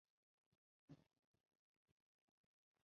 এতে তাঁর হাত, পা, গলা-মুখসহ শরীরের বেশ কিছু অংশ ঝলসে যায়।